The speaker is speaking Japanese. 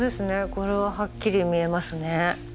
これははっきり見えますね。